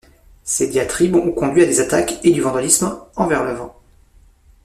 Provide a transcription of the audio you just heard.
Ces diatribes ont conduit à des attaques et du vandalisme envers l'œuvre.